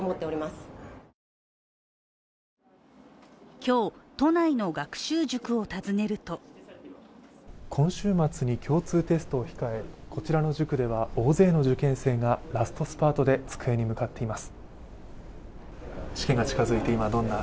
今日、都内の学習塾を訪ねると今週末に共通テストを控えこちらの塾では大勢の受験生がラストスパートで机に向かっています。